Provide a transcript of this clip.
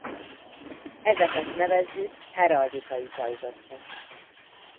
Ezeket nevezzük heraldikai pajzsoknak.